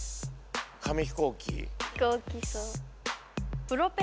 紙飛行機？